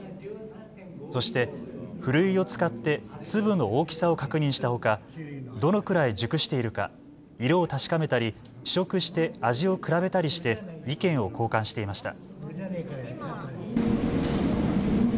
そしてふるいを使って粒の大きさを確認したほか、どのくらい熟しているか色を確かめたり試食して味を比べたりして意見を交換していました。